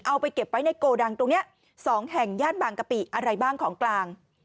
เอาไปเก็บไว้ในโกดังตรงนี้๒แห่งย่านบางกะปิอะไรบ้างของกลาง